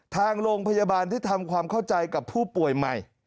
ทางโรงพยาบาลที่ทำความเข้าใจกับผู้ป่วยใหม่